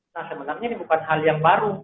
nah sebenarnya ini bukan hal yang baru